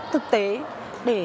thực tế để